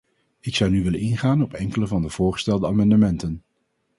Ik zou nu willen ingaan op enkele van de voorgestelde amendementen.